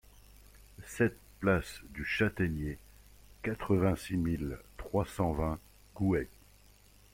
sept place du Chataigner, quatre-vingt-six mille trois cent vingt Gouex